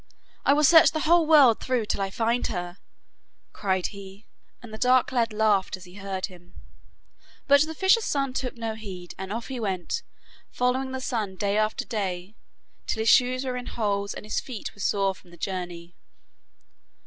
'I will search the whole world through till I find her,' cried he, and the dark lad laughed as he heard him. But the fisher's son took no heed, and off he went, following the sun day after day, till his shoes were in holes and his feet were sore from the journey.